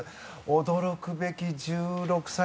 驚くべき１６歳。